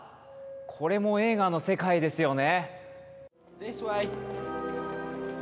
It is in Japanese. これも映画の世界ですよね。